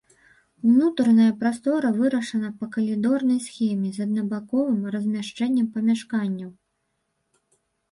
Унутраная прастора вырашана па калідорнай схеме з аднабаковым размяшчэннем памяшканняў.